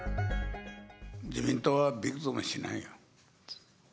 自民党はびくともしないよ。